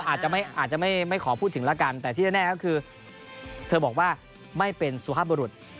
อาจจะไม่ขอพูดถึงแล้วกันแต่ที่แน่ก็คือเธอบอกว่าไม่เป็นสุภาพบุรุษ